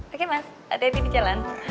oke mas hati hati di jalan